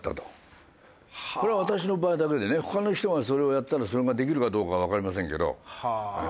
これは私の場合だけでね他の人がそれをやったらそれができるかどうかわかりませんけど。